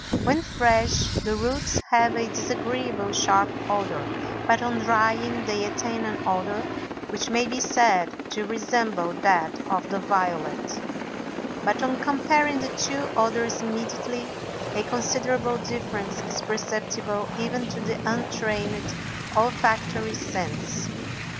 When fresh, the roots have a disagreeable sharp odor, but on drying they attain an odor which may be said to resemble that of the violet; but on comparing the two odors immediately, a considerable difference is perceptible even to the untrained olfactory sense.